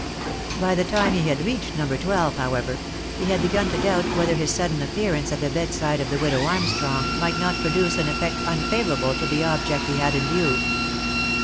By the time he had reached No. 12, however, he had begun to doubt whether his sudden appearance at the bedside of the widow Armstrong might not produce an effect unfavourable to the object he had in view.